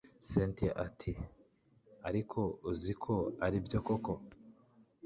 cyntia ati ariko uziko aribyo koko